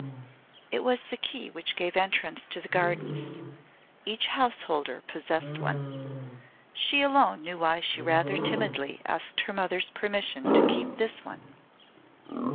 It was the key which gave entrance to the Gardens. Each householder possessed one. She alone knew why she rather timidly asked her mother's permission to keep this one.